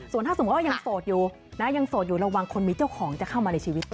ส่วนถ้าสมมติว่ายังโศดอยู่ระวังคนมีเจ้าของจะเข้ามันในชีวิต